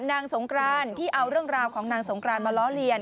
นางสงกรานที่เอาเรื่องราวของนางสงกรานมาล้อเลียน